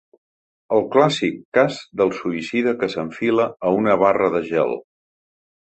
El clàssic cas del suïcida que s'enfila a una barra de gel.